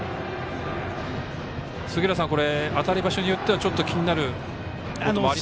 杉浦さん当たり場所によってはちょっと気になるところもありますか。